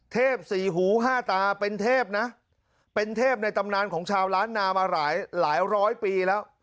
สี่หูห้าตาเป็นเทพนะเป็นเทพในตำนานของชาวล้านนามาหลายหลายร้อยปีแล้ว